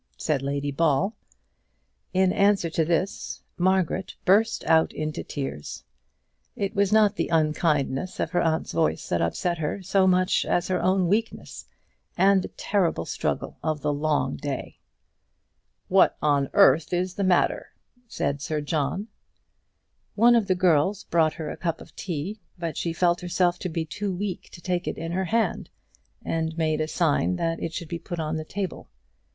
said Lady Ball. In answer to this, Margaret burst out into tears. It was not the unkindness of her aunt's voice that upset her so much as her own weakness, and the terrible struggle of the long day. "What on earth is the matter?" said Sir John. One of the girls brought her a cup of tea, but she felt herself to be too weak to take it in her hand, and made a sign that it should be put on the table.